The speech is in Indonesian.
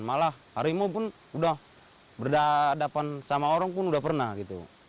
malah harimau pun udah berhadapan sama orang pun udah pernah gitu